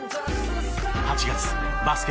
８月バスケ